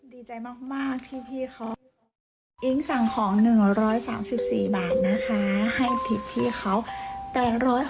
ดีใจมากที่พี่เขาอิ๊งสั่งของ๑๓๔บาทนะคะให้ผิดพี่เขา